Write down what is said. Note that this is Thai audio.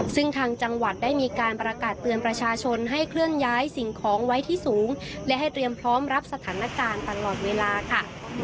ซึ่งทางจังหวัดได้มีการประกาศเตือนประชาชนให้เคลื่อนย้ายสิ่งของไว้ที่สูงและให้เตรียมพร้อมรับสถานการณ์ตลอดเวลาค่ะ